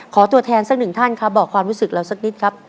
ตัวแทนสักหนึ่งท่านครับบอกความรู้สึกเราสักนิดครับ